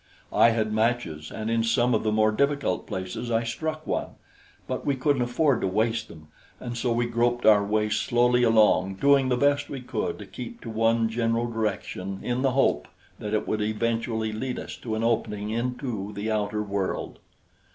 I had matches, and in some of the more difficult places I struck one; but we couldn't afford to waste them, and so we groped our way slowly along, doing the best we could to keep to one general direction in the hope that it would eventually lead us to an opening into the outer world.